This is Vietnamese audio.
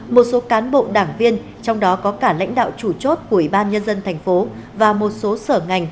một số cán bộ đảng viên trong đó có cả lãnh đạo chủ chốt của ubnd tp hcm và một số sở ngành